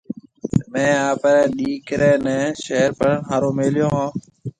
ميه آپرَي ڏِيڪريَ نَي شهر پڙهڻ هارون ميليو هون۔